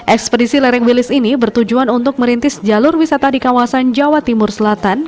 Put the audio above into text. ekspedisi lereng wilis ini bertujuan untuk merintis jalur wisata di kawasan jawa timur selatan